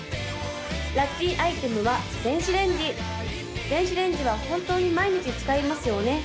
・ラッキーアイテムは電子レンジ電子レンジは本当に毎日使いますよね